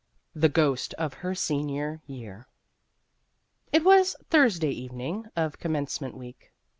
X THE GHOST OF HER SENIOR YEAR IT was Thursday evening of Commence ment week.